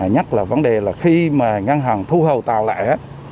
nhắc là vấn đề là khi mà ngân hàng thu hồi tàu lại